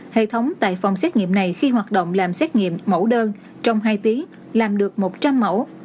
hệ thống tại phòng xét nghiệm này khi hoạt động làm xét nghiệm mẫu đơn trong hai tiếng làm được một trăm linh mẫu